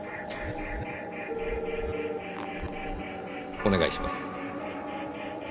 お願いします。